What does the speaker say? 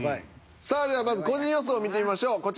さあではまず個人予想見てみましょう。